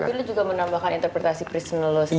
tapi lu juga menambahkan interpretasi personal lu sendiri